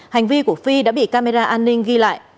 hành vi của phi đã bị camera an ninh ghi lại